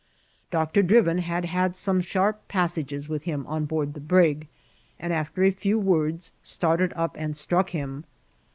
Doctor Drivin had had some sharp passages with him on board the brig, and, after a few >words, started up and struck him.